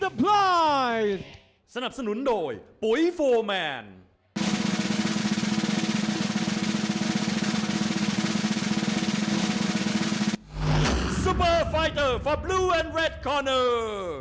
สุปเปอร์ไฟเตอร์สำหรับบลูแลนด์แรดคอร์เนอร์